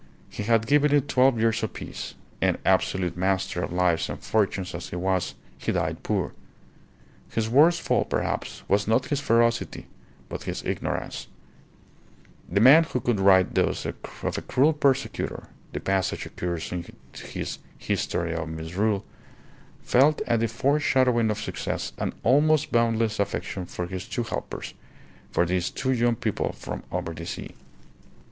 He had given it twelve years of peace; and, absolute master of lives and fortunes as he was, he died poor. His worst fault, perhaps, was not his ferocity, but his ignorance;" the man who could write thus of a cruel persecutor (the passage occurs in his "History of Misrule") felt at the foreshadowing of success an almost boundless affection for his two helpers, for these two young people from over the sea.